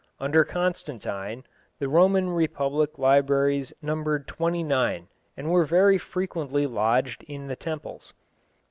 Under Constantine the Roman public libraries numbered twenty nine, and were very frequently lodged in the temples.